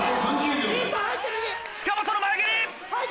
塚本の前蹴り！